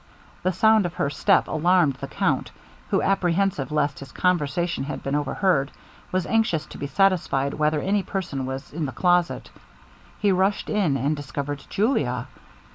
The sound of her step alarmed the count, who, apprehensive lest his conversation had been overheard, was anxious to be satisfied whether any person was in the closet. He rushed in, and discovered Julia!